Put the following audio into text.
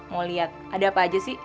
mau lihat ada apa aja sih